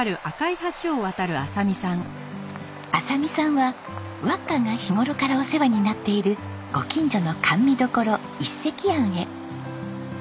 亜沙美さんはわっかが日頃からお世話になっているご近所の甘味処一石庵へ。